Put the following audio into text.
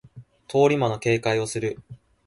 通り魔の警戒をする